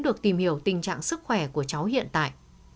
được tìm hiểu tình trạng sức khỏe của cháu hiện tại